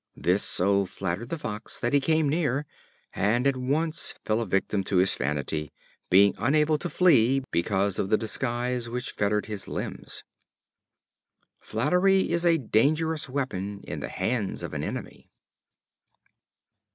This so flattered the Fox that he came near, and at once fell a victim to his vanity, being unable to flee because of the disguise, which fettered his limbs. Flattery is a dangerous weapon in the hands of an enemy.